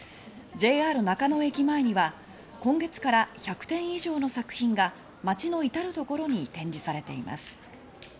ＪＲ中野駅前には今月から１００点以上の作品が街の至るところに展示されています。